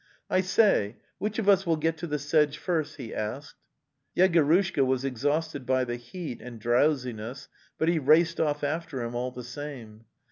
'""T say, which of us will get to the sedge first? "' he said. Yegorushka was exhausted by the heat and drow siness, but he raced off after him all the same.